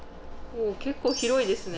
結構広いですね。